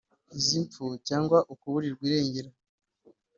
Izi mfu cyangwa ukuburirwa irengero